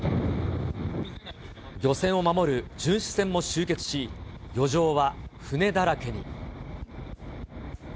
漁船を守る巡視船も集結し、漁場は船だらけに。